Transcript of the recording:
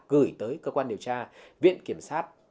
gửi tới cơ quan điều tra viện kiểm sát